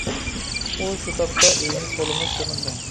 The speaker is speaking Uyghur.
ئۇ شۇ تاپتا ئۆيىنى تولىمۇ سېغىندى.